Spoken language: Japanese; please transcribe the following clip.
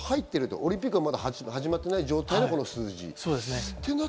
オリンピックは始まっていない状況でこの数字。